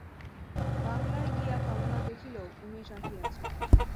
বাংলায় গিয়া কমলা দেখিল উমেশ আসিয়াছে।